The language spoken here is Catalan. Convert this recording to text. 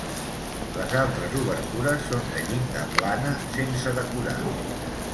Les altres obertures són de llinda plana sense decorar.